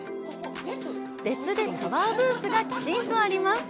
別でシャワーブースがきちんとあります。